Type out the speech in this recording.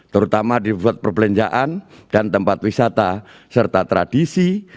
terutama di pusat perbelanjaan dan tempat wisata serta tradisi